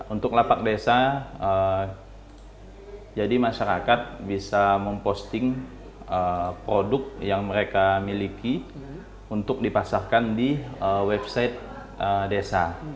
untuk lapak desa jadi masyarakat bisa memposting produk yang mereka miliki untuk dipasarkan di website desa